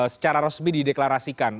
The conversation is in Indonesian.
secara resmi dideklarasikan